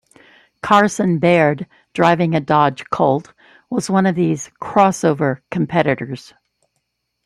Carson Baird, driving a Dodge Colt, was one of these 'crossover' competitors.